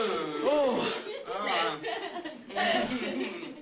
お！